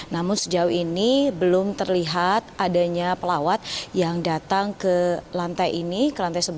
namun sejauh ini belum terlihat adanya pelawat yang datang ke lantai ini ke lantai sebelas